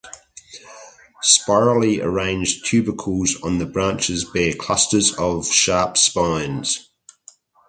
Spirally arranged tubercles on the branches bear clusters of sharp spines.